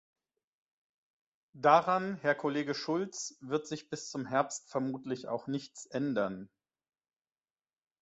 Daran, Herr Kollege Schulz, wird sich bis zum Herbst vermutlich auch nichts ändern.